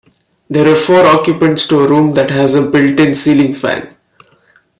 There are four occupants to a room that has a built in ceiling fan.